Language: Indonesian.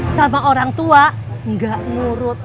sama orang tua nggak nurut